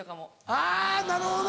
あぁなるほど。